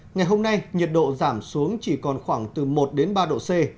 ngày hôm nay nhiệt độ giảm xuống chỉ còn khoảng từ một đến ba độ c